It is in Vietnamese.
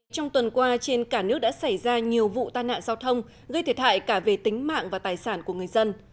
trong tuần qua trên cả nước đã xảy ra nhiều vụ tai nạn giao thông gây thiệt hại cả về tính mạng và tài sản của người dân